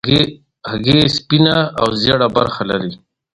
هګۍ سپینه او ژېړه برخه لري.